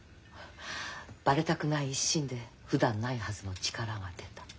バレたくない一心でふだんないはずの力が出た。